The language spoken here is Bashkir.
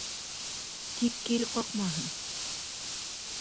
Тик кире ҡаҡмаһын.